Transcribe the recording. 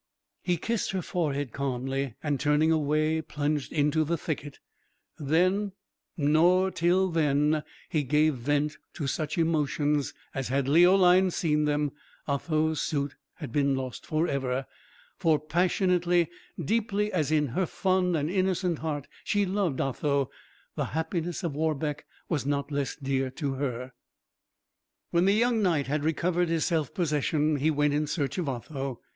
He kissed her forehead calmly, and, turning away, plunged into the thicket; then, nor till then, he gave vent to such emotions as, had Leoline seen them, Otho's suit had been lost for ever; for passionately, deeply as in her fond and innocent heart she loved Otho, the happiness of Warbeck was not less dear to her. When the young knight had recovered his self possession he went in search of Otho.